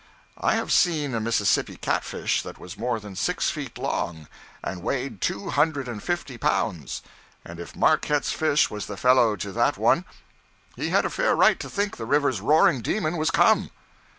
I have seen a Mississippi cat fish that was more than six feet long, and weighed two hundred and fifty pounds; and if Marquette's fish was the fellow to that one, he had a fair right to think the river's roaring demon was come.